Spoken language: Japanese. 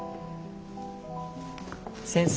先生。